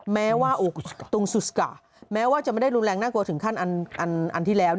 แม้ว่าตุงซูสกะแม้ว่าจะไม่ได้รุนแรงน่ากลัวถึงขั้นอันที่แล้ว